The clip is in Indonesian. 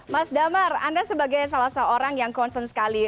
mas damar anda sebagai salah seorang yang concern sekali